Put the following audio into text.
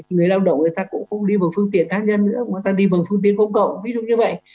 thì người lao động thì ta cũng không đi vào phương tiện khác nhân nữa mà ta đi vào phương tiện phong cộng ví dụ như vậy